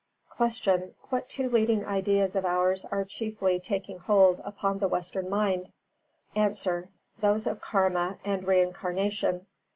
323. Q. What two leading ideas of ours are chiefly taking hold upon the western mind? A. Those of Karma and Reincarnation.